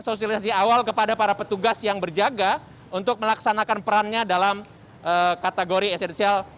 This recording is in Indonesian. sosialisasi awal kepada para petugas yang berjaga untuk melaksanakan perannya dalam kategori esensial